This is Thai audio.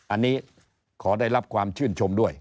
อันนี้ขอได้รับความชื่นชมด้วย